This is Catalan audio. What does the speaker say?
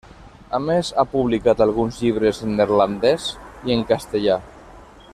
A més, ha publicat alguns llibres en neerlandès i en castellà.